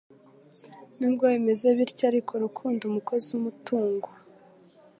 Nubwo bimeze bityo ariko, Rukundo, umukozi wumutungo